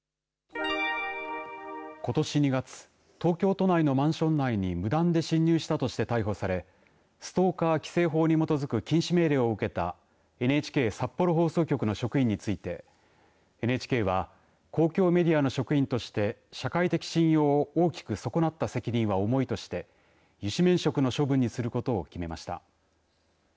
ことし２月東京都内のマンション内に無断で侵入したとして逮捕されストーカー規制法に基づく禁止命令を受けたＮＨＫ札幌放送局の職員についてＮＨＫは公共メディアの職員として社会的信用を大きく損なった責任は重いとして諭旨免職の処分にすることを決めました。